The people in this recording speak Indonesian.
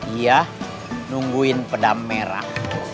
iya nungguin pedang merah